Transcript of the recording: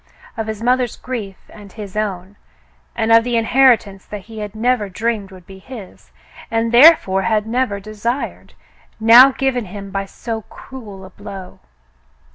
Of his mother's grief and his own, and of this inherit ance that he had never dreamed would be his, and therefore had never desired, now given him by so cruel a blow.